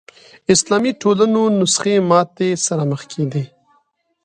اسلامي ټولنو نسخې ماتې سره مخ کېدې